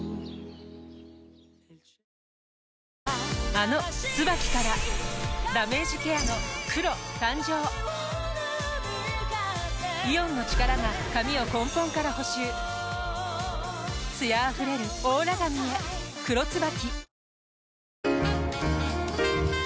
あの「ＴＳＵＢＡＫＩ」からダメージケアの黒誕生イオンの力が髪を根本から補修艶あふれるオーラ髪へ「黒ＴＳＵＢＡＫＩ」